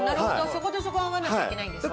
そことそこ合わなきゃいけないんですね。